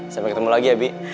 sampai ketemu lagi ya bi